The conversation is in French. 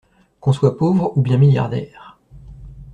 Qu’on soit pauvre ou bien milliardaire…